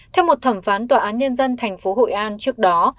theo một thẩm phán tòa án nhân dân tp hội an trước đó